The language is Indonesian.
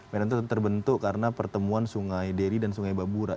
medan itu terbentuk karena pertemuan sungai deri dan sungai babura